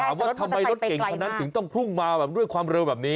ว่าทำไมรถเก่งคนนั้นถึงต้องพุ่งมาแบบด้วยความเร็วแบบนี้